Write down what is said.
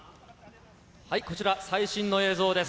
こちら、最新の映像です。